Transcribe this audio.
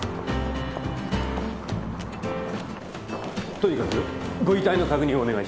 とにかくご遺体の確認をお願いします。